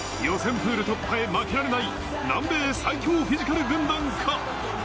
プール突破へ、負けられない南米最強フィジカル軍団か。